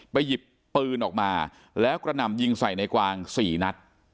หยิบปืนออกมาแล้วกระหน่ำยิงใส่ในกวาง๔นัด